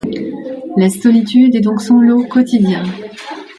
La solitude est donc son lot quotidien.